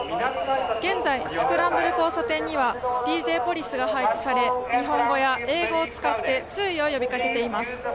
現在、スクランブル交差点にはＤＪポリスが配置され、日本語や英語を使って、呼びかけています。